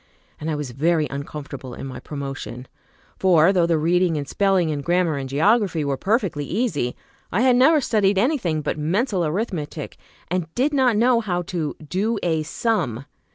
And I was very uncomfortable in my promotion, for though the reading and spelling and grammar and geography were perfectly easy, I had never studied any thing but mental arithmetic, and did not know how to "do a sum."